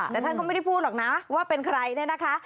แต่ท่านก็ไม่ได้พูดหรอกนะว่าเป็นใครเนี่ยนะคะ